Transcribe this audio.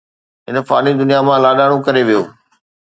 هن فاني دنيا مان لاڏاڻو ڪري ويو